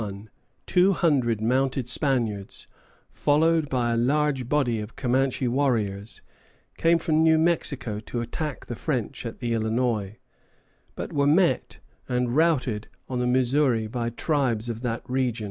] Early in 1721 two hundred mounted Spaniards, followed by a large body of Comanche warriors, came from New Mexico to attack the French at the Illinois, but were met and routed on the Missouri by tribes of that region.